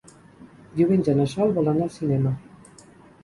Diumenge na Sol vol anar al cinema.